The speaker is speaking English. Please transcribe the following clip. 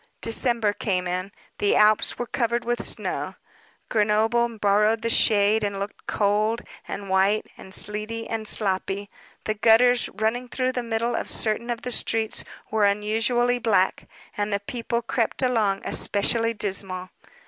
December came in. The Alps were covered with snow; Grenoble borrowed the shade, and looked cold, and white, and sleety, and sloppy; the gutters, running through the middle of certain of the streets, were unusually black, and the people crept along especially dismal.